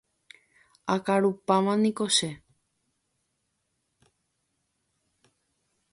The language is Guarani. akarupámaniko che.